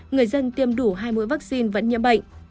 người dân tiêm đủ hai mũi vaccine vẫn nhiễm bệnh